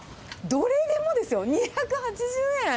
どれでもですよ、２８０円。